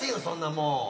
そんなもん。